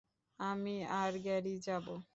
আমি আর গ্যারি যাবো।